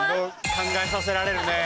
考えさせられるね。